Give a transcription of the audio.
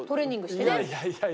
いやいやいやいや。